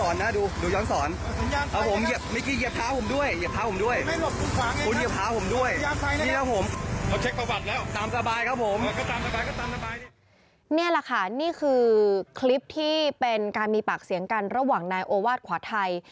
นี่แหละค่ะนี่คือคลิปที่เป็นการมีปากเสียงกันระหว่างนายโอวาสขวาไทย